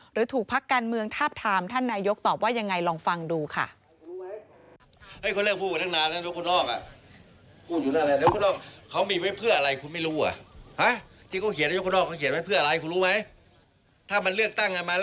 ถูกพักการเมืองทาบทามท่านนายกตอบว่ายังไงลองฟังดูค่ะ